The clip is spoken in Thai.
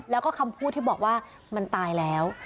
แล้วก็คำพูดที่บอกว่ามันตายแล้ว